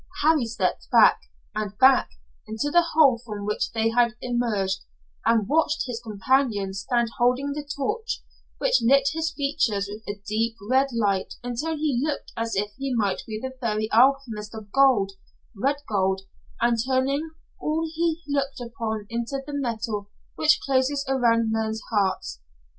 Harry stepped back, and back, into the hole from which they had emerged, and watched his companion stand holding the torch, which lit his features with a deep red light until he looked as if he might be the very alchemist of gold red gold and turning all he looked upon into the metal which closes around men's hearts.